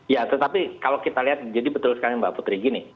ya tetapi kalau kita lihat jadi betul sekali mbak putri gini